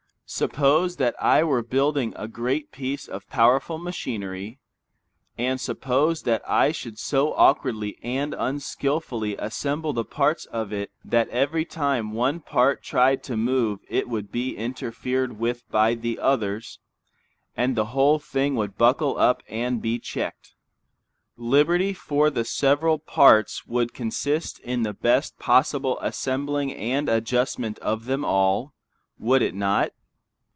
Suppose that I were building a great piece of powerful machinery, and suppose that I should so awkwardly and unskilfully assemble the parts of it that every time one part tried to move it would be interfered with by the others, and the whole thing would buckle up and be checked. Liberty for the several parts would consist in the best possible assembling and adjustment of them all, would it not?